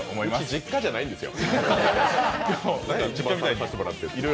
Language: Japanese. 実家じゃないんですよ。